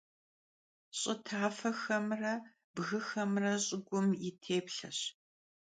Ş'ı tafexemre bgıxemre ş'ıgum yi têplheş.